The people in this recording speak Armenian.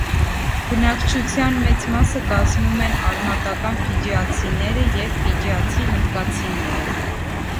Բնակչության մեծ մասը կազմում են արմատական ֆիջիացիները և ֆիջիացի հնդկացիները։